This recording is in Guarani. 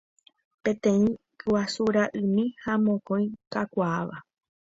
Peteĩ guasu ra'ymi ha mokõi kakuaáva.